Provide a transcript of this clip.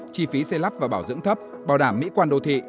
chi phí xây lắp và bảo dưỡng thấp bảo đảm mỹ quan đô thị